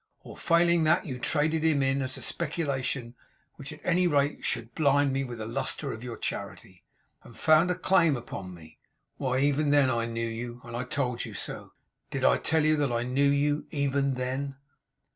Or failing that, you traded in him as a speculation which at any rate should blind me with the lustre of your charity, and found a claim upon me! Why, even then I knew you, and I told you so. Did I tell you that I knew you, even then?